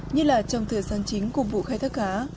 như là trong thời gian chính của vụ khai thác cá